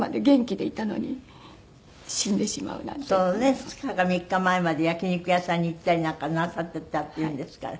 ２日か３日前まで焼き肉屋さんに行ったりなんかなさってたっていうんですから。